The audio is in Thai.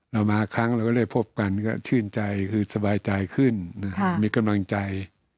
เรามาครั้งเราก็เลยพบกันก็ชื่นใจคือสบายใจขึ้นมีกำลังใจ